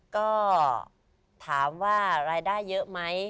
ก็ถามว่ารายได้เยอะไหม